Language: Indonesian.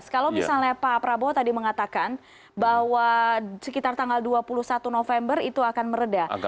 kalau misalnya pak prabowo tadi mengatakan bahwa sekitar tanggal dua puluh satu november itu akan meredah